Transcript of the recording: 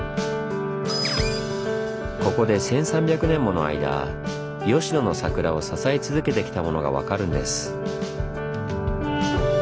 ここで１３００年もの間吉野の桜を支え続けてきたものが分かるんです。